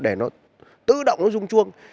để nó tự động nó dung chuông